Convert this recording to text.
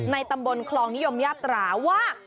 ตำบลคลองนิยมญาตราว่า